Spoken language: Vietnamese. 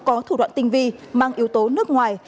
có thủ đoạn tinh vi mang yếu tố nước ngoài